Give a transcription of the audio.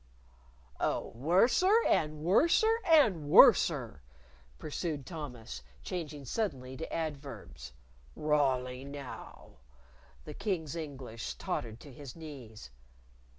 "Oh, worser and worser and worser," pursued Thomas, changing suddenly to adverbs. "Rawly now !" The King's English tottered to his knees.